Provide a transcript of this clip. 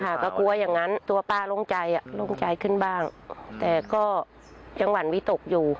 ก็กลัวอย่างงั้นตัวป้าโล่งใจอ่ะลงใจขึ้นบ้างแต่ก็ยังหวั่นวิตกอยู่